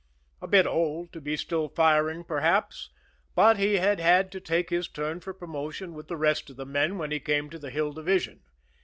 A bit old to be still firing, perhaps, but he had had to take his turn for promotion with the rest of the men when he came to the Hill Division.